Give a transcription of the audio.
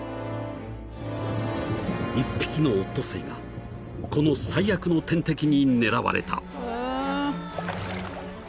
［１匹のオットセイがこの最悪の天敵に狙われた］